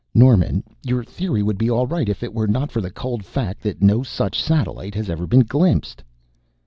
"Norman, your theory would be all right if it were not for the cold fact that no such satellite has ever been glimpsed."